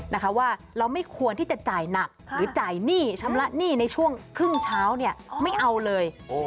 นะคะว่าเราไม่ควรที่จะจ่ายหนักหรือจ่ายหนี้ชำระหนี้ในช่วงครึ่งเช้าเนี่ยไม่เอาเลย